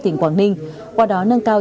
tỉnh quảng ninh qua đó nâng cao